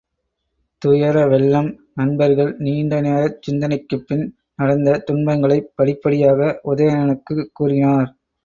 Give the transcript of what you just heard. துயர வெள்ளம் நண்பர்கள் நீண்ட நேரச் சிந்தனைக்குப்பின் நடந்த துன்பங்களைப் படிப்படியாக உதயணனுக்குக் கூறினார்.